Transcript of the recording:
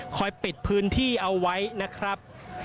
ปิดพื้นที่เอาไว้นะครับ